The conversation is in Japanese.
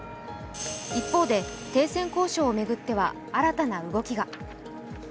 一方で、停戦交渉を巡っては新たな動きが。